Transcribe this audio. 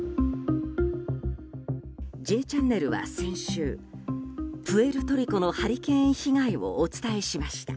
「Ｊチャンネル」は先週、プエルトリコのハリケーン被害をお伝えしました。